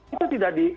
itu tidak di